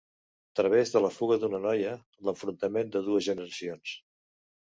Través de la fuga d'una noia, l'enfrontament de dues generacions.